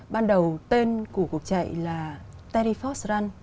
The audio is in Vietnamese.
ban đầu tên của cuộc chạy là terry fox run